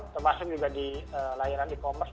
termasuk juga di layanan e commerce